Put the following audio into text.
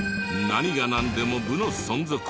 何がなんでも部の存続を。